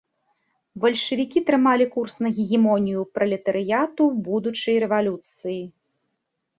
Бальшавікі трымалі курс на гегемонію пралетарыяту ў будучай рэвалюцыі.